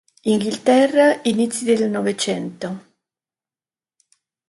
Inghilterra, inizi del Novecento.